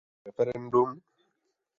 Je to referendum?